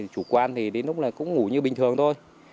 chủ quan thì đến lúc là cũng ngủ như bình thường thôi